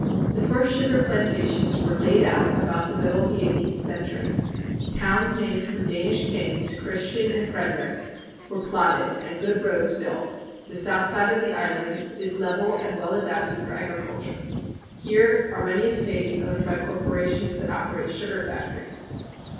The first sugar plantations were laid out about the middle of the eighteenth century; towns named for Danish kings, Christian and Frederik, were plotted, and good roads built. The south side of the island is level and well adapted for agriculture. Here are many estates owned by corporations that operate sugar factories.